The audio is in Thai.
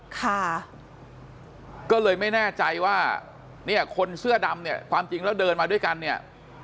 ค่ะก็เลยไม่แน่ใจว่าเนี่ยคนเสื้อดำเนี่ยความจริงแล้วเดินมาด้วยกันเนี่ย